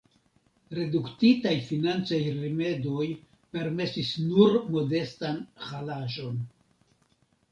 Reduktitaj financaj rimedoj permesis nur modestan halaĵon.